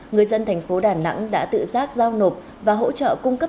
người dân thành phố đà nẵng đã tự giác giao nộp và hỗ trợ cung cấp